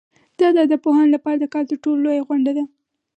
دا د ادبپوهانو لپاره د کال تر ټولو لویه غونډه ده.